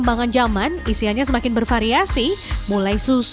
menyajikannya sebagai menu pencuci mulut